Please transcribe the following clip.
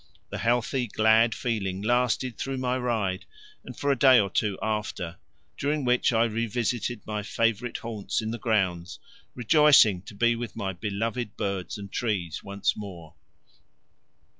The healthy glad feeling lasted through my ride and for a day or two after, during which I revisited my favourite haunts in the grounds, rejoicing to be with my beloved birds and trees once more.